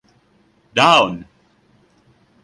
Down!